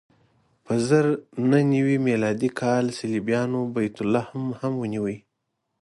په زر نهه نوې میلادي کال صلیبیانو بیت لحم هم ونیو.